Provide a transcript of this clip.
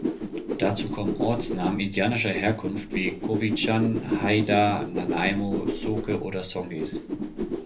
Dazu kommen Ortsnamen indianischer Herkunft wie Cowichan, Haida, Nanaimo, Sooke oder Songhees.